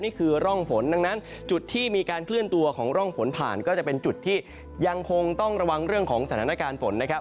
นี่คือร่องฝนดังนั้นจุดที่มีการเคลื่อนตัวของร่องฝนผ่านก็จะเป็นจุดที่ยังคงต้องระวังเรื่องของสถานการณ์ฝนนะครับ